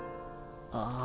ああ。